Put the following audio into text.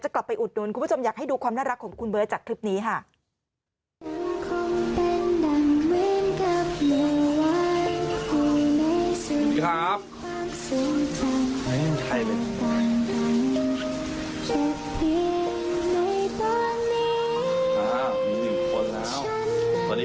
เก็บเพียงในตอนมุมยพันธุ์คงไม่สุดท้ายมันต่างกันเก็บเพียงในตอนนี้